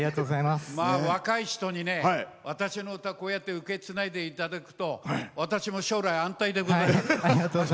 若い人に私の歌こうやって受けつないでいただくと私も将来、安泰でございます。